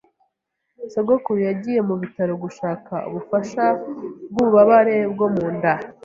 Sogokuru yagiye mu bitaro gushaka ubufasha bw'ububabare bwo mu nda.